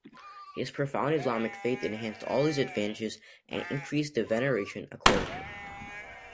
His profound Islamic faith enhanced all these advantages and increased the veneration accorded him.